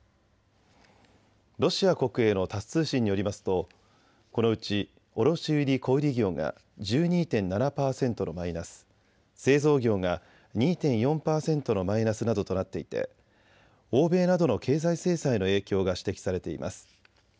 ロシア国営のタス通信によりますとこのうち卸売・小売業が１２．７％のマイナス、製造業が２．４％のマイナスなどとなっていて欧米などの経済制裁の影響が指摘されています。